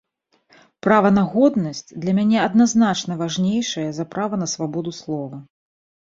Права на годнасць для мяне адназначна важнейшае за права на свабоду слова.